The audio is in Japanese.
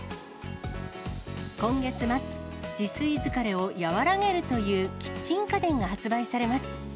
今月末、自炊疲れを和らげるというキッチン家電が発売されます。